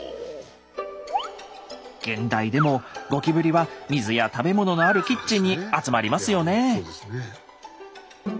現代でもゴキブリは水や食べ物のあるキッチンに集まりますよね。